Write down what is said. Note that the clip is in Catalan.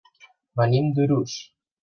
Venim d'Urús.